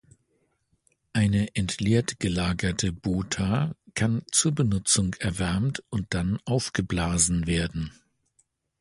Eine entleert gelagerte bota kann zur Benutzung erwärmt und dann aufgeblasen werden.